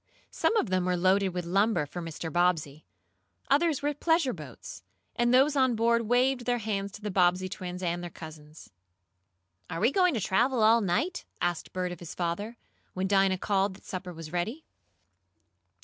Some of them were loaded with lumber for Mr. Bobbsey. Others were pleasure boats, and those on board waved their hands to the Bobbsey twins and their cousins. "Are we going to travel all night?" asked Bert of his father, when Dinah called that supper was ready.